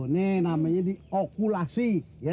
ini namanya diokulasi